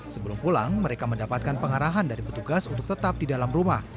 sebelum pulang mereka mendapatkan pengarahan dari petugas untuk tetap di dalam rumah